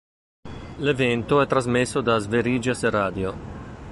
L'evento è trasmesso da Sveriges Radio.